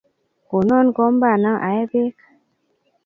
Konon kombana ae peek